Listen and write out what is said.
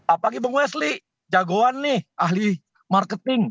apalagi bang wesley jagoan nih ahli marketing